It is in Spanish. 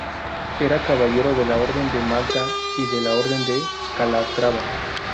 Era caballero de la Orden de Malta y de la Orden de Calatrava.